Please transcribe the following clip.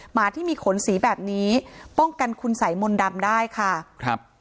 หมาที่มีขนสีแบบนี้ป้องกันคุณสัยมนต์ดำได้ค่ะครับ